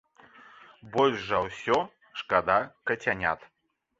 Больш за ўсё шкада кацянят.